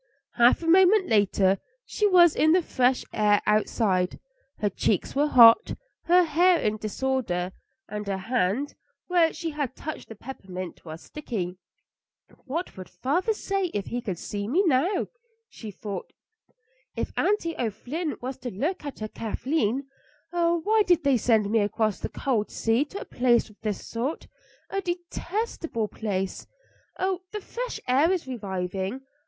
Half a moment later she was in the fresh air outside. Her cheeks were hot, her hair in disorder, and her hand, where she had touched the peppermint, was sticky." "What would father say if he could see me now?" she thought. "If Aunty O'Flynn was to look at her Kathleen! Oh, why did they send me across the cold sea to a place of this sort a detestable place? Oh, the fresh air is reviving.